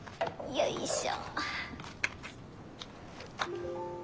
よいしょ。